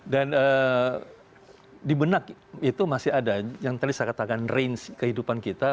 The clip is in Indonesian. dan di benak itu masih ada yang tadi saya katakan range kehidupan kita